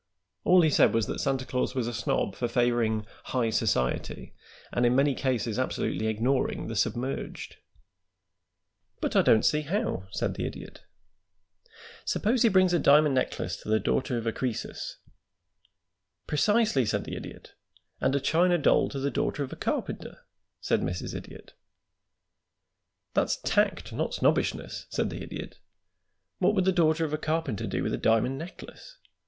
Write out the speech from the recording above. All he said was that Santa Claus was a snob for favoring 'high society' and in many cases absolutely ignoring the submerged." "But I don't see how," said the Idiot. "Suppose he brings a diamond necklace to the daughter of a Croesus?" "Precisely," said the Idiot. [Illustration: "'A CHINA DOLL TO THE DAUGHTER OF A CARPENTER'"] "And a china doll to the daughter of a carpenter?" said Mrs. Idiot. "That's tact, not snobbishness," said the Idiot. "What would the daughter of a carpenter do with a diamond necklace?